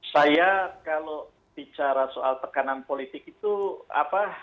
saya kalau bicara soal tekanan politik itu apa